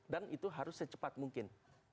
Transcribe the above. dan itu harus secepat mungkin